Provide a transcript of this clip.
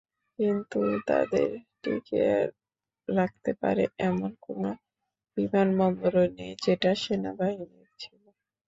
কিন্তু তাদের টিকিয়ে রাখতে পারে, এমন কোনো বিমানবন্দরও নেই, যেটা সেনাবাহিনীর ছিল।